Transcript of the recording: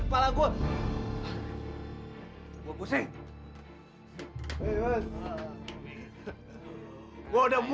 kaka akan buktikan semuanya li